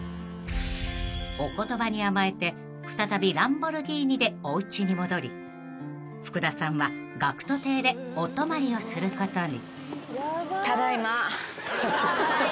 ［お言葉に甘えて再びランボルギーニでおうちに戻り福田さんはＧＡＣＫＴ邸でお泊まりをすることに］